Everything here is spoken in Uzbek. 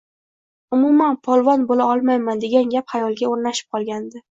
umuman polvon boʻla olmayman degan gap xayoliga oʻrnashib olgandi